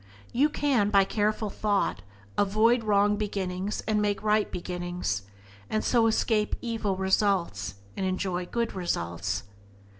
You can, by careful thought, avoid wrong beginnings and make right beginnings, and so escape evil results and enjoy good results.